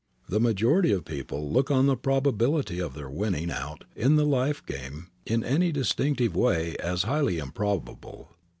The majority of people look on the probability of their winning out in the life game in any distinctive way as highly improbable.